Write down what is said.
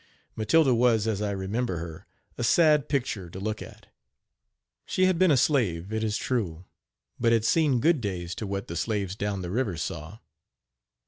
" Matilda was, as I remember her, a sad picture to look at. She had been a slave, it is true, but had seen good days to what the slaves down the river saw.